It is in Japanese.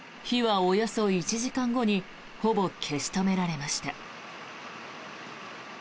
火はおよそ１時間後にほぼ消し止められました。